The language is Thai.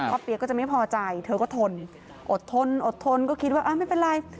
เปี๊ยกก็จะไม่พอใจเธอก็ทนอดทนอดทนก็คิดว่าไม่เป็นไร